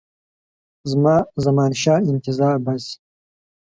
زمانشاه انتظار باسي.